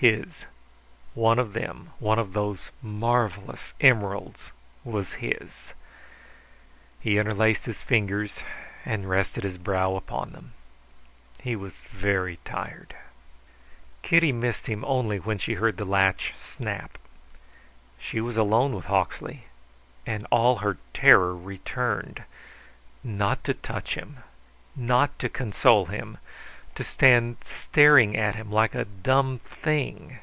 His, one of them one of those marvellous emeralds was his! He interlaced his fingers and rested his brow upon them. He was very tired. Kitty missed him only when she heard the latch snap. She was alone with Hawksley; and all her terror returned. Not to touch him, not to console him; to stand staring at him like a dumb thing!